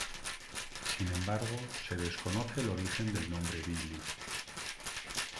Sin embargo, se desconoce el origen del nombre "Billy".